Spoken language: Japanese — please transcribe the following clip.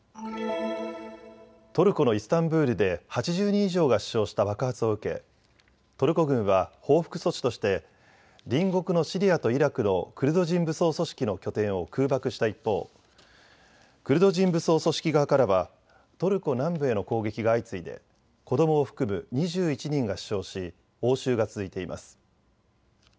トルコのイスタンブールで８０人以上が死傷した爆発を受けトルコ軍は報復措置として隣国のシリアとイラクのクルド人武装組織の拠点を空爆した一方、クルド人武装組織側からはトルコ南部への攻撃が相次いで子どもを含む２１人が死傷し応酬が続いています。